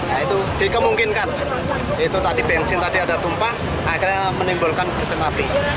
nah itu dikemungkinkan itu tadi bensin tadi ada tumpah akhirnya menimbulkan hujan api